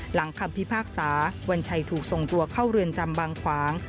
คำพิพากษาวัญชัยถูกส่งตัวเข้าเรือนจำบางขวาง